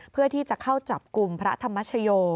เพื่อที่จะเข้าจับกลุ่มพระธรรมชโย